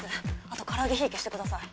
あと唐揚げ火消してください。